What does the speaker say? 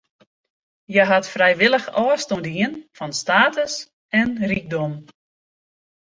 Hja hat frijwillich ôfstân dien fan status en rykdom.